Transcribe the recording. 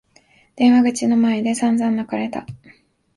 電話口の前で散々泣かれた。